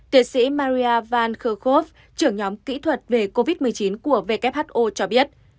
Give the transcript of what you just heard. tiến sĩ maria van khekov trưởng nhóm kỹ thuật về covid một mươi chín của who cho biết